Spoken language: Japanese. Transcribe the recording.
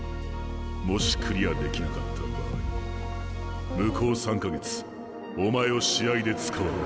もしクリアできなかった場合向こう３か月お前を試合で使わん。